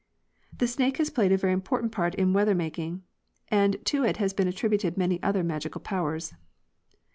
The snake has played a very important part in weather making, and to it has been attributed many other magical powers.